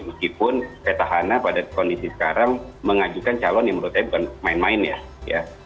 meskipun petahana pada kondisi sekarang mengajukan calon yang menurut saya bukan main main ya